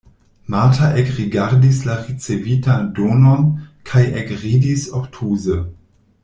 Marta ekrigardis la ricevitan donon kaj ekridis obtuze.